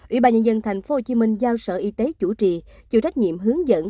ubnd tp hcm giao sở y tế chủ trì chịu trách nhiệm hướng dẫn